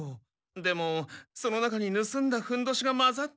でもその中にぬすんだふんどしが交ざっていたなんて。